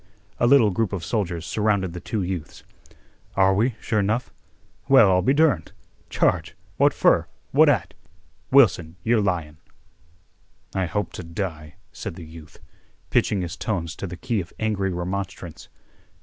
A little group of soldiers surrounded the two youths. "Are we, sure 'nough? Well, I'll be derned! Charge? What fer? What at? Wilson, you're lyin'." "I hope to die," said the youth, pitching his tones to the key of angry remonstrance.